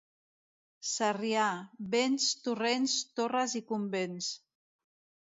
Sarrià: vents, torrents, torres i convents.